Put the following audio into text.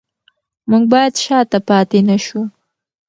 موږ باید شاته پاتې نشو.